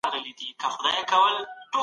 سوسیالیزم د ټولنیز عدالت په نوم خلګ تېرباسي.